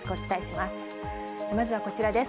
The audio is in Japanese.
まずはこちらです。